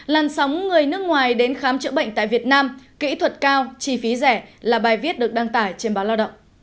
làn sóng người nước ngoài đến khám chữa bệnh tại việt nam kỹ thuật cao chi phí rẻ là bài viết được đăng tải trên báo lao động